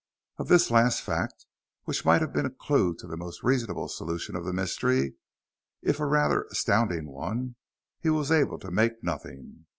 Of this last fact, which might have been a clue to the most reasonable solution of the mystery, if a rather astounding one, he was able to make nothing.